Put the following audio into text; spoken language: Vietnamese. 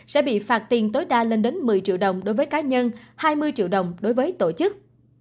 sẽ bị phạt tiền tối đa lên đến một mươi triệu đồng đối với cá nhân hai mươi triệu đồng đối với tổ chức